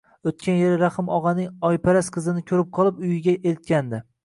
O`tgan yili Rahim og`aning oyparast qizini ko`rib qolib, uyiga eltgandi